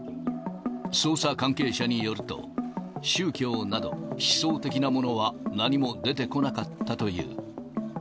捜査関係者によると、宗教など思想的なものは何も出てこなかったという。